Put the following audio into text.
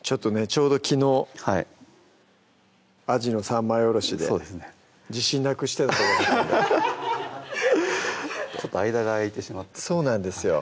ちょうど昨日はいあじの三枚おろしで自信なくしてたとこなんでちょっと間が空いてしまってそうなんですよ